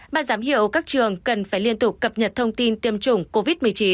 bạn dám hiểu các trường cần phải liên tục cập nhật thông tin tiêm chủng covid một mươi chín